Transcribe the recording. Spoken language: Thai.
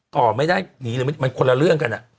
ต่อไม่ได้หนีเลยมันคนละเรื่องกัน